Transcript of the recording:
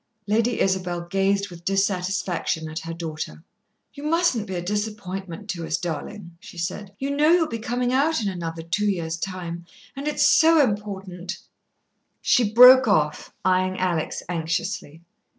Lady Isabel gazed with dissatisfaction at her daughter. "You mustn't be a disappointment to us, darling," she said. "You know you'll be coming out in another two years' time, and it's so important " She broke off, eyeing Alex anxiously.